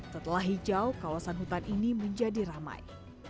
setelah hijau kawasan hutan ini menjadi ramai